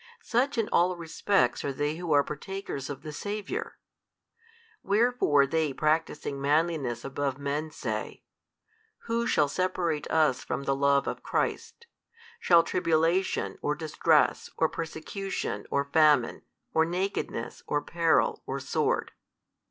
Such in all respects are they who are partakers of the Saviour. Wherefore they practising manliness above men say, Who shall separate us from the Love of Christ? shall tribulation or distress or persecution or famine or nakedness or peril or sword?